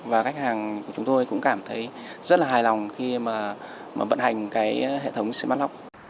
và khách hàng của chúng tôi cũng cảm thấy rất là hài lòng khi mà vận hành cái hệ thống smartlock